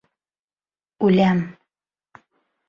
Үләм...